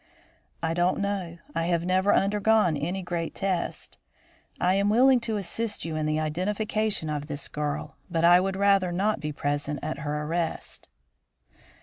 "I don't know; I have never undergone any great test. I am willing to assist you in the identification of this girl; but I would rather not be present at her arrest."